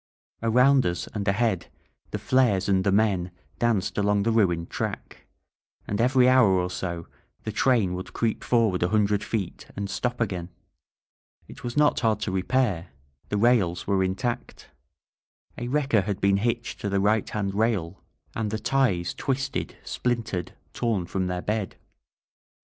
Around us and ahead the flares and the men danced along the ruined track; and every hour or so the train would creep forward a hundred feet and stop again. It was not hard to repair — the rails were intact. A wrecker had been hitched to the right hand rail and the ties twisted, splintered, torn from their bed.